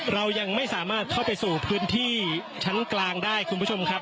เรายังไม่สามารถเข้าไปสู่พื้นที่ชั้นกลางได้คุณผู้ชมครับ